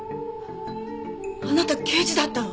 あなた刑事だったの？